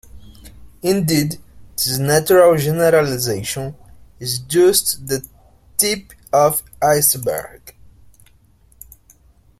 Indeed, this natural generalization is just the tip of iceberg.